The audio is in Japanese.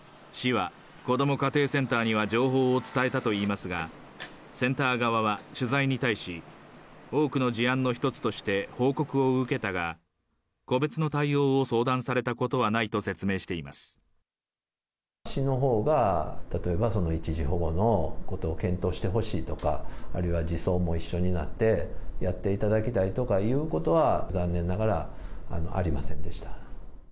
市は、子ども家庭センターには情報を伝えたといいますが、センター側は取材に対し、多くの事案の一つとして報告を受けたが、個別の対応を相談されたことはな市のほうが、例えば一時保護のことを検討してほしいとか、あるいは、児相も一緒になってやっていただきたいとかいうことは、残念ながらありませんでした。